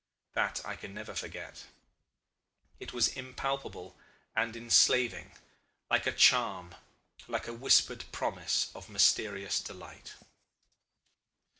That I can never forget. It was impalpable and enslaving, like a charm, like a whispered promise of mysterious delight.